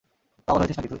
পাগল হয়েছিস নাকি তুই?